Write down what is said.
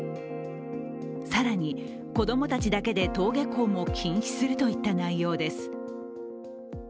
更に、子供たちだけで登下校も禁止するといった内容です。